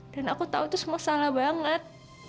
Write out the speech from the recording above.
dan aku tau itu semua salah banget